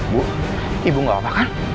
bu ibu gak apa apa kan